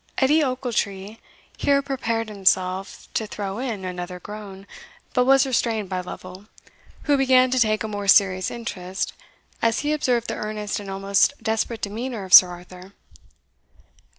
Edie Ochiltree here prepared himself to throw in another groan, but was restrained by Lovel, who began to take a more serious interest, as he observed the earnest and almost desperate demeanour of Sir Arthur.